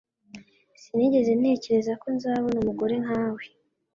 Sinigeze ntekereza ko nzabona umugore nkawe.